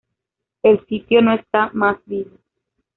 El sitio no está más vivo.